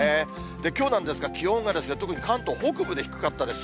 きょうなんですが、気温が特に関東北部で低かったです。